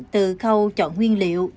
từ khâu chọn nguyên liệu